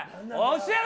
教えろ。